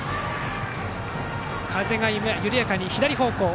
風が緩やかに左方向へ。